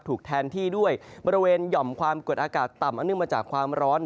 แต่ถูกแทนที่ด้วยบริเวณอย่อมความกลัวดอากาศต่ำอภ์มือจากความร้อน